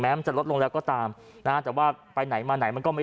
มันจะลดลงแล้วก็ตามนะฮะแต่ว่าไปไหนมาไหนมันก็ไม่